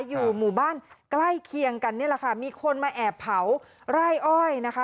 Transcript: อยู่หมู่บ้านใกล้เคียงกันนี่แหละค่ะมีคนมาแอบเผาไร่อ้อยนะคะ